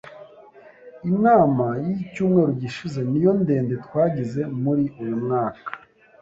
Inama yicyumweru gishize niyo ndende twagize muri uyumwaka.